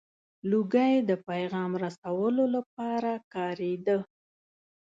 • لوګی د پیغام رسولو لپاره کارېده.